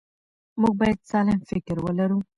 موږ باید سالم فکر ولرو.